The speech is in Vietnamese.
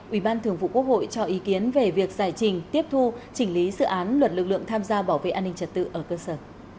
ubth cho ý kiến về việc giải trình tiếp thu chỉnh lý sử án luật lực lượng tham gia bảo vệ an ninh trật tự ở cơ sở